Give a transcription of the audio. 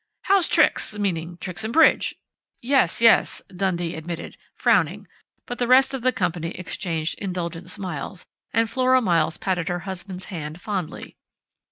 'How's tricks?' meaning tricks in bridge " "Yes, yes," Dundee admitted, frowning, but the rest of the company exchanged indulgent smiles, and Flora Miles patted her husband's hand fondly.